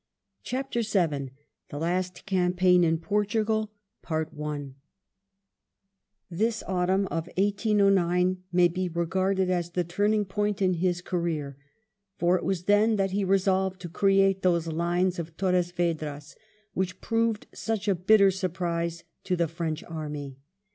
CHAPTER VII THE LAST CAMPAIGN IN PORTUGAL This autumn of 1809 may be regarded as the tuniing point in his career. For it was then that he resolved to create those Lines of Torres Vedras which proved such a bitter surprise to the French army.